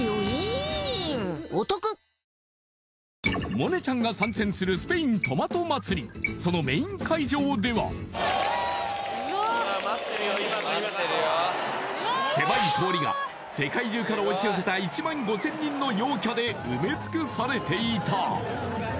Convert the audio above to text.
萌音ちゃんが参戦するスペイン狭い通りが世界中から押し寄せた１５０００人の陽キャで埋め尽くされていた！